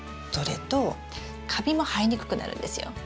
それとカビも生えにくくなるんですよ。